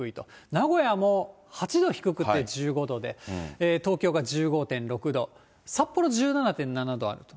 名古屋も８度低くて１５度で、東京が１５．６度、札幌１７．７度ある。